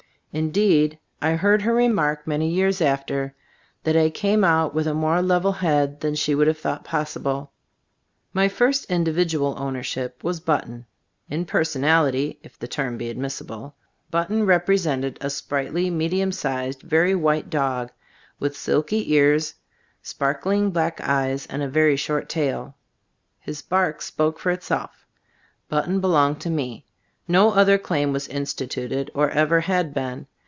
Indeed, I heard her remark many years after, that I came out with a more level head than she would have thought possible. My first individual ownership was "Button." In personality (if the term be admissible), Button represented a sprightly, medium sized, very white dog, with silky ears, sparkling black 24 Gbe Store of As Cbtl&boofc eyes and a very short tail. His bark spoke for itself. Button belonged to me. No other claim was instituted, or ever had been.